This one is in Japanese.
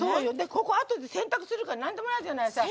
ここ、あとで洗濯するから何も嫌じゃない。